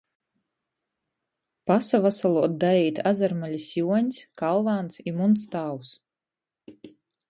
Pasavasaluot daīt Azarmalis Juoņs, Kalvāns i muns tāvs.